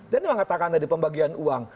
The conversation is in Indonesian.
dan memang katakan tadi pembagian uang